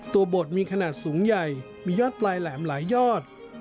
บทมีขนาดสูงใหญ่มียอดปลายแหลมหลายยอด